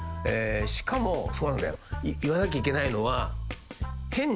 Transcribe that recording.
しかもそうなんだよ言わなきゃいけないのは。